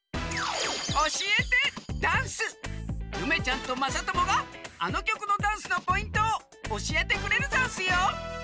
ゆめちゃんとまさともがあのきょくのダンスのポイントをおしえてくれるざんすよ！